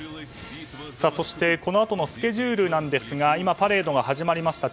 そしてこのあとのスケジュールですが今、パレードが始まりました。